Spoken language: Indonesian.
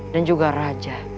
dan juga raja